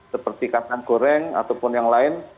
seperti kacang goreng ataupun yang lain